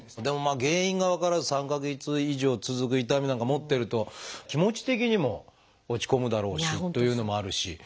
でも原因が分からず３か月以上続く痛みなんか持ってると気持ち的にも落ち込むだろうしというのもあるし。